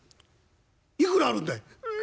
「いくらあるんだい？」。